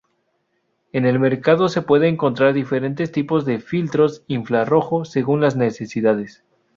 En el mercado se pueden encontrar diferentes tipos de filtros infrarrojo, según las necesidades.